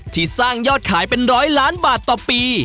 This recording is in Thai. ที่สร้างยอดขายเป็นร้อยล้านบาทต่อปี